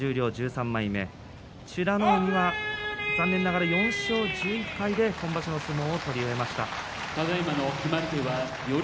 美ノ海は残念ながら４勝１１敗で今場所の相撲を取り終えました。